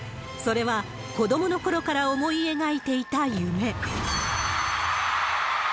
それは、子どものころから思い描いていた夢。